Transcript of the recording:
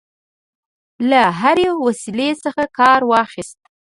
له هري وسیلې څخه کارواخیست.